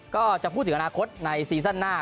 ก็จะพูดถึงอนาคตในซีซั่นหน้า